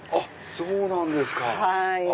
そうなんですか！